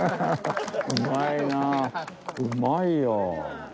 うまいよ。